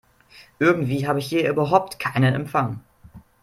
Irgendwie habe ich hier überhaupt keinen Empfang.